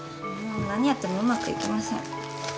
もう何やってもうまくいきません。